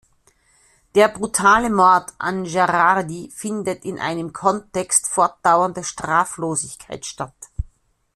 Der brutale Mord an Gerardi findet in einem Kontext fortdauernder Straflosigkeit statt.